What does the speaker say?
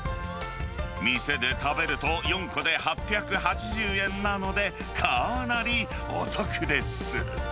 店で食べると４個で８８０円なので、かなりお得です。